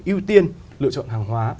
ưu tiên lựa chọn hàng hóa